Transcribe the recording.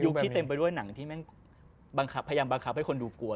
ยุคที่เต็มไปด้วยหนังที่แม่งบังคับพยายามบังคับไว้คนดูกลัวด้วย